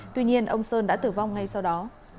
tuy nhiên ông sơn đã tử vong ngay sau đó